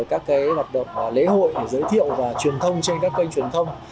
các hoạt động lễ hội giới thiệu và truyền thông trên các kênh truyền thông